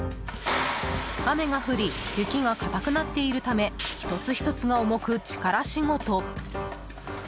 雨が降り雪が固くなっているため１つ１つが重く、力仕事。